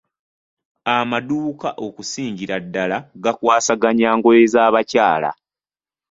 Amadduuka okusingira ddala gakwasaganya ngoye z'abakyala.